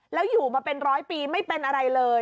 แล้วอยู่มาเป็นร้อยปีไม่เป็นอะไรเลย